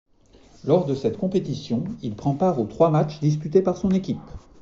Lors de cette compétition, il prend part aux trois matchs disputés par son équipe.